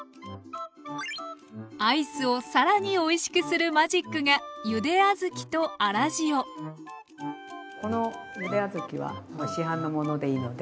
アイスをさらにおいしくするマジックがこのゆで小豆は市販のものでいいので。